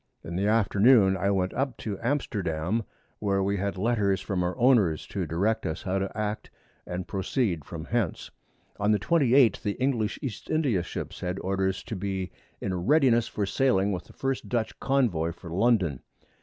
In the Afternoon I went up to Amsterdam, where we had Letters from our Owners, to direct us how to act and proceed from hence. On the 28th the English East India Ships had Orders to be in a readiness for sailing with the first Dutch Convoy for London.